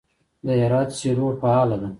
د هرات سیلو فعاله ده.